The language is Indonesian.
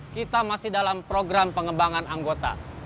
kita masih dalam program pengembangan anggota